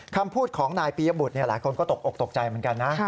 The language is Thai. คำพูดของนายปียบุตรหลายคนก็ตกอกตกใจเหมือนกันนะ